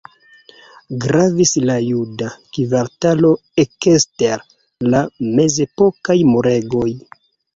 Gravis la juda kvartalo ekster la mezepokaj muregoj.